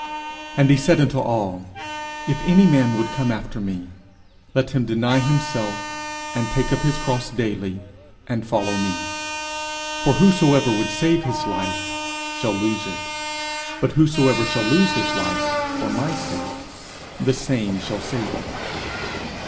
_'And he said unto all, If any man would come after me, let him deny himself, and take up his cross daily, and follow me. For whosoever would save his life shall lose it; but whosoever shall lose his life for my sake, the same shall save it.'